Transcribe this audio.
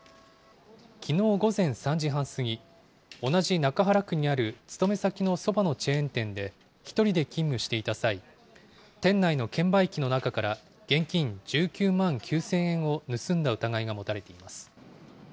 きのう午前３時半過ぎ、同じ中原区にある勤め先のそばのチェーン店で、１人で勤務していた際、店内の券売機の中から現金１９万９０００円を盗んだ疑いが持たれています。